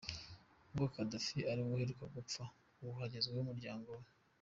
Nk’uko Ghadaf ari we uheruka gupfa, ubu hagezweho umuryango we.